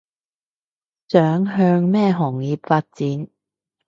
想向咩行業發展